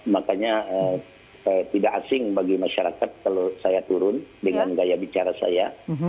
makanya tidak asing bagi masyarakat kalau saya turun dengan gaya bicara saya